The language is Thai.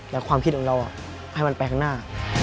และความคิดของเราให้มันไปข้างหน้า